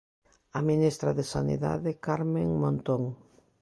A ministra de Sanidade, Carmen Montón.